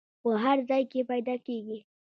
په هر ځای کې پیدا کیږي.